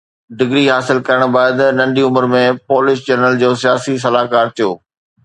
degree حاصل ڪرڻ بعد ننڍي عمر ۾ پولش جنرل جو سياسي صلاحڪار ٿيو